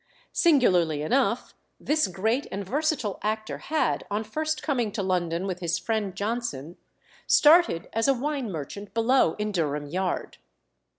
Singularly enough, this great and versatile actor had, on first coming to London with his friend Johnson, started as a wine merchant below in Durham Yard.